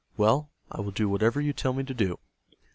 Well, I will do whatever you tell me to do."